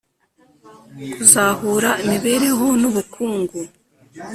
kuzahura imibereho n ubukungu